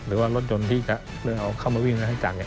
หรือว่ารถยนต์ที่จะเอาเข้ามาวิ่งแล้วให้จัง